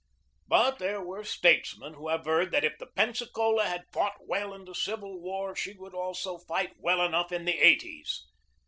But there were statesmen who averred that if the Pensacola had fought well in the Civil War, she also would fight well enough in the '8o's.